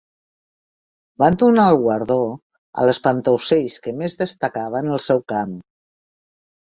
Van donar el guardó a l'espantaocells que més destacava en el seu camp.